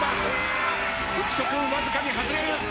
浮所君わずかに外れる。